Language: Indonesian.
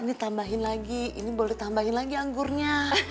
ini tambahin lagi ini boleh tambahin lagi anggurnya